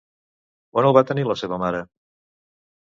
On el va tenir la seva mare?